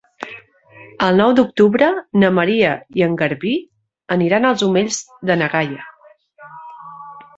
El nou d'octubre na Maria i en Garbí aniran als Omells de na Gaia.